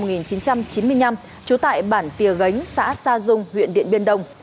sùng a khá sinh năm một nghìn chín trăm chín mươi năm trú tại bản tìa gánh xã sa dung huyện điện biên đông